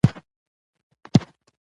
بوډاتوب د اغزیو په څېر دی .